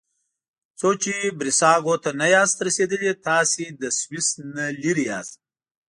څو چې بریساګو ته نه یاست رسیدلي تاسي له سویس نه لرې یاست.